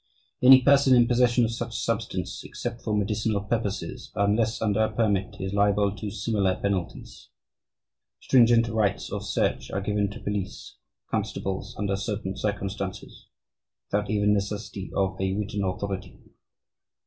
"Any person in possession of such substance ... except for medicinal purposes, unless under a permit, is liable to similar penalties. Stringent rights of search are given to police, constables, under certain circumstances, without even the necessity of a written authority.